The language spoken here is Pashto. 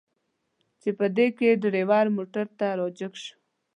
چې په دې کې ډریور موټر ته را جګ شو.